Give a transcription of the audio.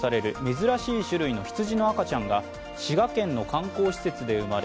珍しい種類の羊の赤ちゃんが滋賀県の観光施設で生まれ